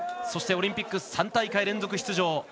そして、オリンピック３大会連続出場